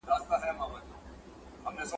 څوک ابدال یو څوک اوتاد څوک نقیبان یو `